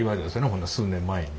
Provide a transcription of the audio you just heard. ほんの数年前に。